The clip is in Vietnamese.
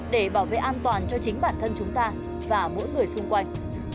để bảo vệ an toàn cho chính bản thân chúng ta và mỗi người xung quanh